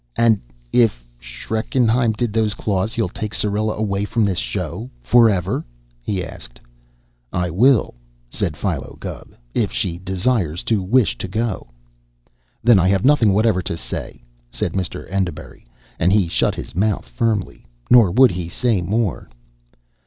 "And if Schreckenheim did those claws, you'll take Syrilla away from this show? Forever?" he asked. "I will," said Philo Gubb, "if she desires to wish to go." "Then I have nothing whatever to say," said Mr. Enderbury, and he shut his mouth firmly; nor would he say more.